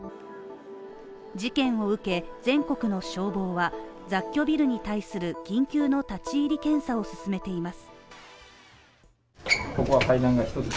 事件を受け、全国の消防は、雑居ビルに対する緊急の立ち入り検査を進めています。